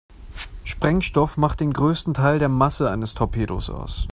Sprengstoff macht den größten Teil der Masse eines Torpedos aus.